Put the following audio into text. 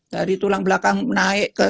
dari tulang belakang naik ke